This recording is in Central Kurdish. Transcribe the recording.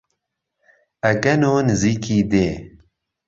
ئەگەنۆ نزیکی دێ